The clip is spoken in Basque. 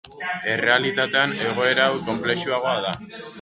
Errealitatean, egoera hau konplexuagoa da.